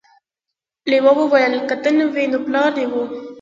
لیوه وویل که ته نه وې نو پلار دې و.